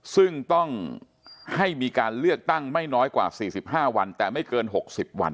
ซึ่งต้องให้มีการเลือกตั้งไม่น้อยกว่า๔๕วันแต่ไม่เกิน๖๐วัน